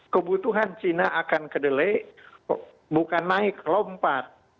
kebutuhan cina akan kedelai bukan naik lompat